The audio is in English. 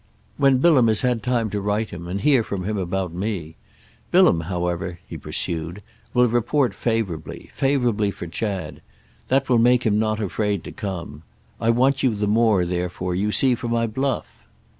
"When Bilham has had time to write him, and hear from him about me. Bilham, however," he pursued, "will report favourably—favourably for Chad. That will make him not afraid to come. I want you the more therefore, you see, for my bluff."